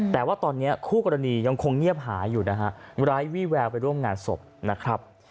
แต่ว่าตอนนี้คู่กรณียังคงเงียบหายอยู่นะฮะไร้วี่แววไปร่วมงานศพนะครับ